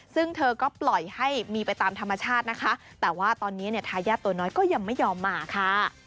ซึ่งเธอก็ปล่อยให้มีไปตามธรรมชาตินะคะแต่ว่าตอนนี้เนี่ยทายาทตัวน้อยก็ยังไม่ยอมมาค่ะ